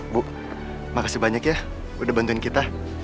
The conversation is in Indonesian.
bu makasih banyak ya udah bantuin kita